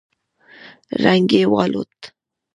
رنگ يې والوت.